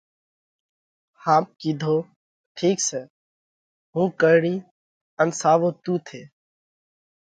ۿاپ ڪِيڌو: ٺِيڪ سئہ، هُون ڪرڙِيه ان ساوو تُون ٿي۔